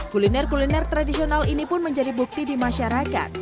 kuliner kuliner tradisional ini pun menjadi bukti di masyarakat